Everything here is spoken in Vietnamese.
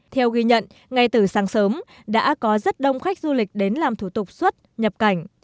theo ghi nhận ngay từ sáng sớm đã có rất đông khách du lịch đến làm thủ tục xuất nhập cảnh